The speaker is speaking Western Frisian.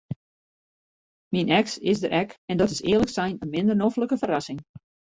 Myn eks is der ek en dat is earlik sein in minder noflike ferrassing.